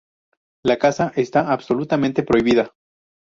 La caza está absolutamente prohibida.